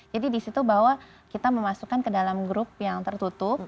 jadi disitu bahwa kita memasukkan ke dalam grup yang tertutup